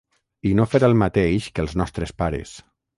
I no fer el mateix que els nostres pares.